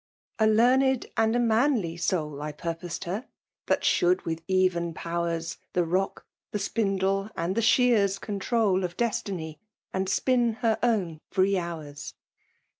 a learned and a manly loul I poxposed her, that should with eren powers The xdcky the spindle, and the shears control Of destiny, and spin her own free hours.